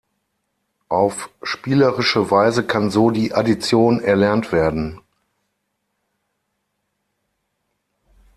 Auf spielerische Weise kann so die Addition erlernt werden.